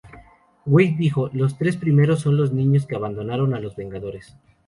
Waid dijo: "Los tres primeros son los niños que abandonaron a los Vengadores.